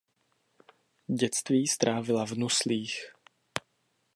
Dětství strávila v Nuslích.